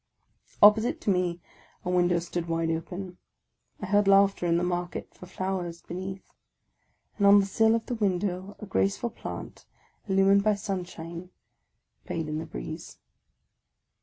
Opposite to me a window stood wide open. I heard laugh ter in the Market for Flowers beneath; and on the sill of the window a graceful plant, illumined by sunshine, played in the breeze.